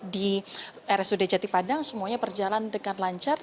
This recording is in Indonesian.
di rsud jatipadang semuanya berjalan dengan lancar